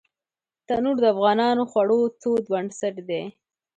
تنور د افغانو خوړو تود بنسټ دی